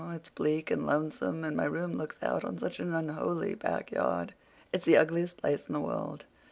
It's bleak and lonesome, and my room looks out on such an unholy back yard. It's the ugliest place in the world.